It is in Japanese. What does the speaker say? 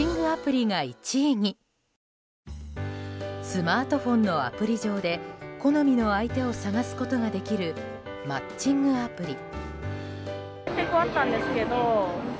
スマートフォンのアプリ上で好みの相手を探すことができるマッチングアプリ。